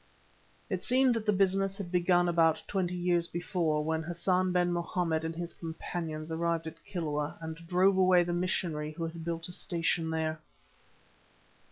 It seemed that the business had begun about twenty years before, when Hassan ben Mohammed and his companions arrived at Kilwa and drove away the missionary who had built a station there.